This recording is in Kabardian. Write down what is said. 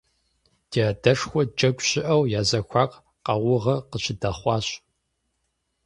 Ди адэшхуэхэр джэгу щыӀэу я зэхуаку къаугъэ къыщыдэхъуащ.